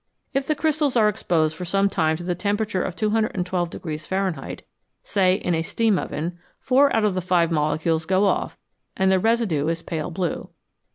If the crystals are exposed for some time to the temperature of 212 Fahrenheit, say in a steam oven, four out of the five molecules go off, and the residue is pale blue.